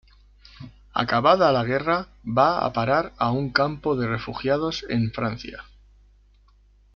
Acabada la guerra va a parar a un campo de refugiados en Francia.